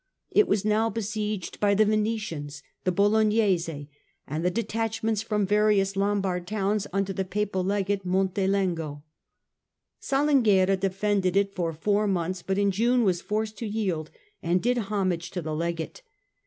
It was now besieged by the Venetians, the Bolognese, and detachments from various Lombard towns under the Papal Legate Montelengo. Salinguerra defended it for four months, but in June was forced to yield and did homage to the Legate.